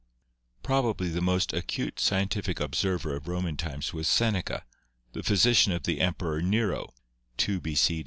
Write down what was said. Probably the most acute scientific observer of Roman times was Seneca, the physician of the Emperor Nero (2 B.